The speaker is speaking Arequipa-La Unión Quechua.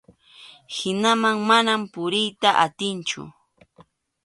Hinaman mana puriyta atinchu.